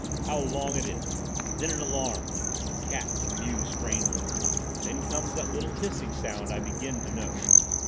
How long it is! Then, an alarm! A cat that mews strangely. Then comes that little hissing sound I begin to know.